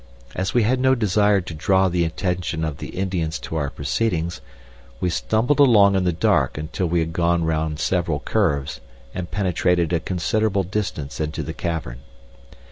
As we had no desire to draw the attention of the Indians to our proceedings, we stumbled along in the dark until we had gone round several curves and penetrated a considerable distance into the cavern.